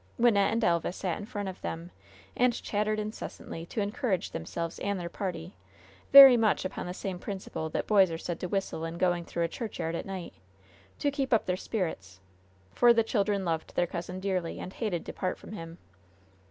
Wynnette and Elva sat in front of them, and chattered incessantly to encourage themselves and their party, very much upon the same principle that boys are said to whistle in going through a churchyard at night, to keep up their spirits for the children loved their cousin dearly and hated to part from him.